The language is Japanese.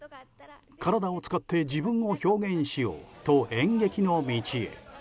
体を使って自分を表現しようと演劇の道へ。